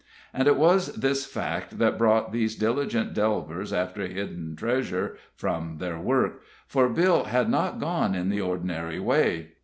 And it was this fact that brought these diligent delvers after hidden treasure from their work, for Bill had not gone in the ordinary way.